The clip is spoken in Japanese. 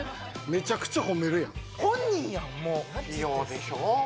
めちゃくちゃ褒めるやん本人やんもう器用でしょ？